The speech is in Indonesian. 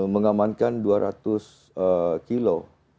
mengamankan dua ratus kilo